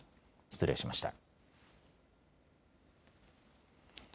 失礼しました。